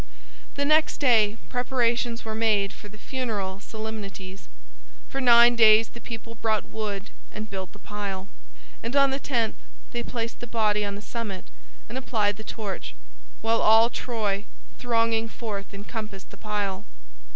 The next day preparations were made for the funeral solemnities. For nine days the people brought wood and built the pile, and on the tenth they placed the body on the summit and applied the torch; while all Troy thronging forth encompassed the pile.